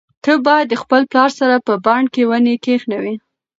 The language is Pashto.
ته باید د خپل پلار سره په بڼ کې ونې کښېنوې.